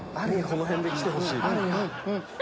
この辺できてほしい。